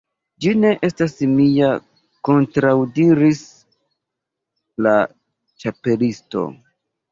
"Ĝi ne estas mia," kontraŭdiris la Ĉapelisto.